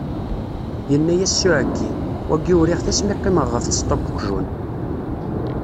Yenna-as s uɛekki, wagi uriɣ-t asmi qqimeɣ ɣef tseṭṭa n weqjun.